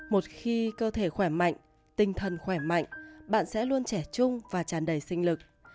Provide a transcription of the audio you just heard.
một khi cơ thể khỏe mạnh tinh thần khỏe mạnh bạn sẽ luôn trẻ chung và tràn đầy sinh lực